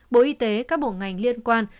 bộ y tế các bộ ngành liên quan